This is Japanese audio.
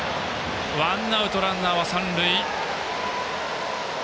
ワンアウト、ランナーは三塁。